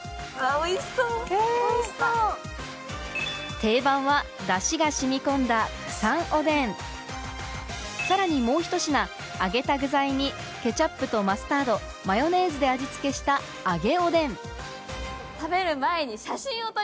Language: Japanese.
定番はダシが染み込んださらにもうひと品揚げた具材にケチャップとマスタードマヨネーズで味付けした写真？